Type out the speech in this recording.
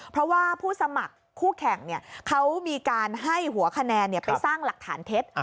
เพราะว่าผู้สมัครคู่แข่งเขามีการให้หัวคะแนนไปสร้างหลักฐานเท็จ